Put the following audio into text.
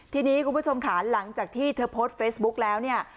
ทีนี้คุณผู้ชมค่ะหลังจากที่เธอโพสต์เฟซบุ๊กแล้วเนี่ย